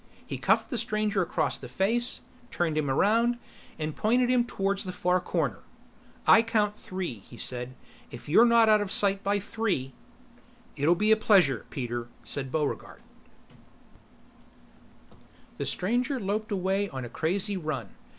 He cuffed the stranger across the face, turned him around, and pointed him toward the far corner. "I count three," he said. "If you're not out of sight by three " "It'll be a pleasure, Peter," said Buregarde. The stranger loped away on a crazy run.